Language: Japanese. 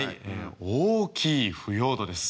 大きい腐葉土です。